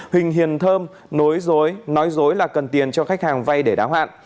huỳnh hiền thơm nói dối là cần tiền cho khách hàng vay để đáo hạn